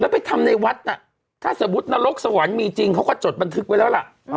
ไปทำในวัดน่ะถ้าสมมุตินรกสวรรค์มีจริงเขาก็จดบันทึกไว้แล้วล่ะ